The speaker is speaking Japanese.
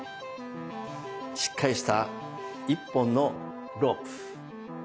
しっかりした１本のロープ。